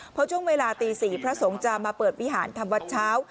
เพราะช่วงเวลาตี๔พระสงฆ์จะมาเปิดวิหารทำวัดเช้า